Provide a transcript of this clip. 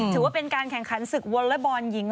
ถือว่าเป็นการแข่งขันศึกวอเล็กบอลหญิง